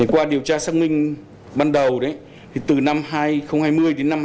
qua điều tra xác minh ban đầu từ năm hai nghìn hai mươi đến năm hai nghìn hai mươi